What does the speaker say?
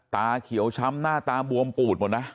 ตาเขียวช้ำหน้าตาบวมปูดหมดนะ